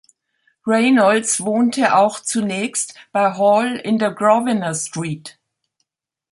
Reynolds wohnte auch zunächst bei Hall in der Grosvenor Street.